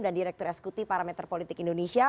dan direktur esekuti parameter politik indonesia